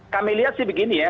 kami lihat sih begini ya